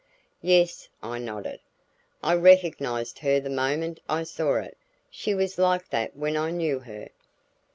"Yes," I nodded. "I recognized her the moment I saw it. She was like that when I knew her."